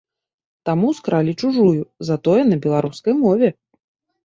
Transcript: Таму скралі чужую, затое на беларускай мове!